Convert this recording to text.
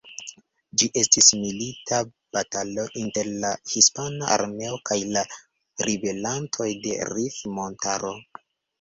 Ĝi estis milita batalo inter la hispana armeo kaj la ribelantoj de Rif-montaro.